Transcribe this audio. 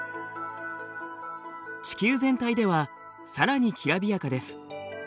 地球全体ではさらにきらびやかです。